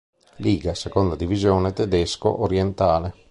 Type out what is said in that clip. Liga, seconda divisione tedesco orientale.